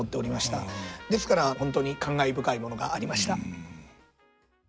ですから本当に感慨深いものがありました。